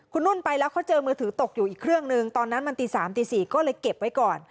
คุณนุ่นไปแล้วเขาเจอมือถือตกอยู่อีกเครื่องนึงตอนนั้นมันตี๓ตี๔ก็เลยเก็บไว้ก่อน